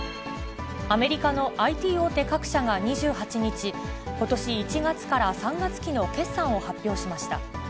アメリカのＩＴ大手各社が２８日、ことし１月から３月期の決算を発表しました。